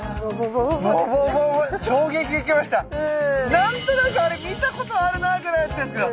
何となくあれ見たことあるなぐらいだったんですけど。